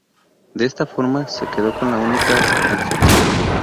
De esta forma se quedó con la única en su tipo.